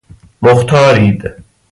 مختارید